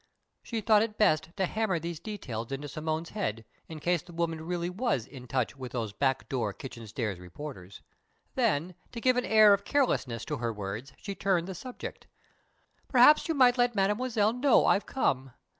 She thought it best to hammer these details into Simone's head, in case the woman really was in touch with those back door, kitchen stairs reporters. Then, to give an air of carelessness to her words, she turned the subject. "Perhaps you might let Mademoiselle know I've come.